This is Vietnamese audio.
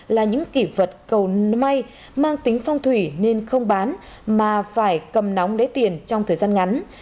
là những kỷ vật cầu may mang tính phong thủy nên không bán mà phải cầm nóng lấy tiền trong thời gian ngắn